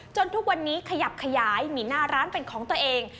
ทุกวันนี้ขยับขยายมีหน้าร้านเป็นของตัวเอง